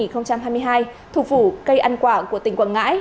dịp tết nguyên đán ngâm dần hai nghìn hai mươi hai thục vụ cây ăn quả của tỉnh quảng ngãi